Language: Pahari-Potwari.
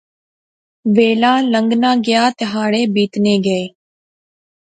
ویلا لنگنا گیا۔ تہاڑے بیتنے گئے